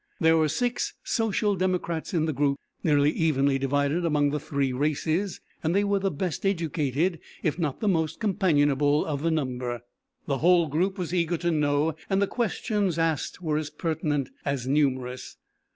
There were six Social Democrats in the group, nearly evenly divided among the three races; and they were the best educated if not the most companionable of the number. The whole group was eager to know, and the questions asked were as pertinent as numerous.